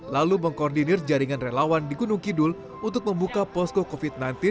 lalu mengkoordinir jaringan relawan di gunung kidul untuk membuka posko covid sembilan belas